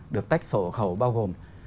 được tách sổ hộ khẩu bao gồm